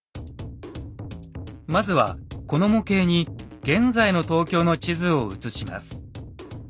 まずはこの模型に現在の東京の地図を映します。